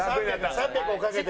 ３００をかけて。